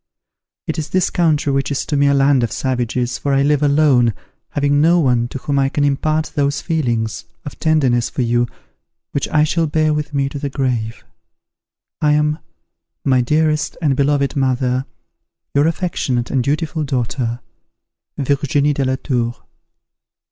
It is this country which is to me a land of savages, for I live alone, having no one to whom I can impart those feelings of tenderness for you which I shall bear with me to the grave. I am, "My dearest and beloved mother, "Your affectionate and dutiful daughter, "VIRGINIE DE LA TOUR."